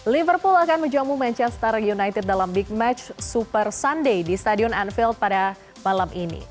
liverpool akan menjamu manchester united dalam big match super sunday di stadion anfield pada malam ini